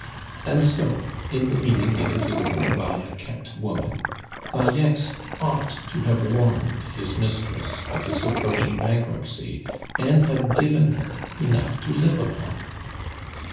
And so, in the meaning given to the word by a kept woman, Falleix ought to have warned his mistress of his approaching bankruptcy and have given her enough to live upon.